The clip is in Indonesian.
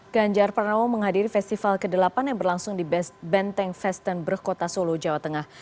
ganjar pranowo menghadiri festival ke delapan yang berlangsung di benteng festen berkota solo jawa tengah